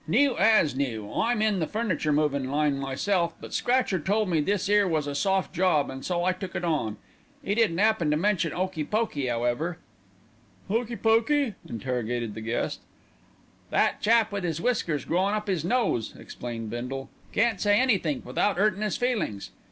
"New as new. I'm in the furniture movin' line myself; but Scratcher told me this 'ere was a soft job, an' so I took it on. 'E didn't happen to mention 'Okey Pokey 'owever." "Hokey Pokey!" interrogated the guest. "That chap with 'is whiskers growin' up 'is nose," explained Bindle. "All prickles 'e is. Can't say anythink without 'urtin' 'is feelin's.